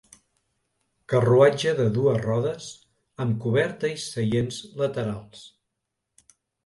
Carruatge de dues rodes, amb coberta i seients laterals.